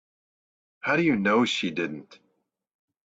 How do you know she didn't?